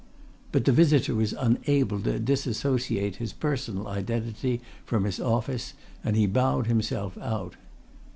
But the visitor was unable to disassociate his personal identity from his office, and he bowed himself out.